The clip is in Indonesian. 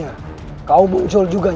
aku pergi dulu ibu nda